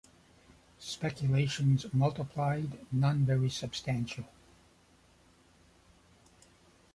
Speculations multiplied, none very substantial.